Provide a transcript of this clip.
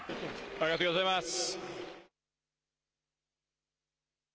ありがとうございます。